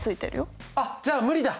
あっじゃあ無理だ。